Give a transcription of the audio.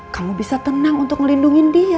kamu bisa tenang untuk melindungi dia